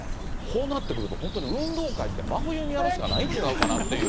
こうなってくると、本当に運動会って真冬にやるしかないんちゃうかなって。